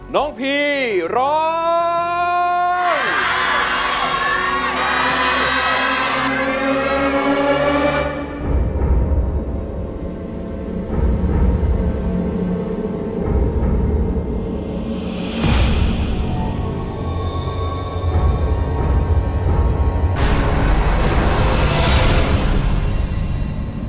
น้องพีร้อง